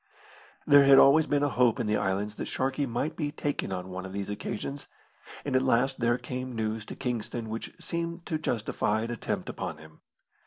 There had always been a hope in the islands that Sharkey might be taken on one of these occasions; and at last there came news to Kingston which seemed to justify an attempt upon him.